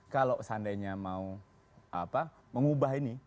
kalau seandainya mau mengubah ini